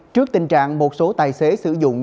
trước tình trạng một số tài xế sử dụng